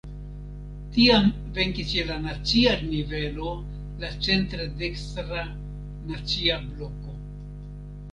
Tiam venkis je la nacia nivelo la centre dekstra "Nacia Bloko".